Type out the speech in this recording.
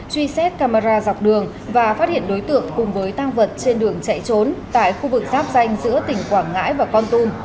truy xét camera dọc đường và phát hiện đối tượng cùng với tăng vật trên đường chạy trốn tại khu vực giáp danh giữa tỉnh quảng ngãi và con tum